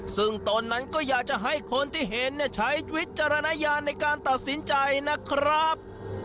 ซึ่งตนนั้นก็อยากจะให้คนที่เห็นใช้วิจารณญาณในการตัดสินใจนะครับ